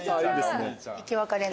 生き別れの。